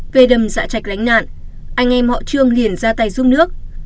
về đầm dạ trạch lánh nạn anh em họ trương liền ra tay giúp nước